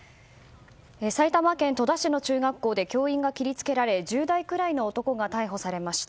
埼玉県戸田市の中学校で教員が切り付けられ１０代くらいの男が逮捕されました。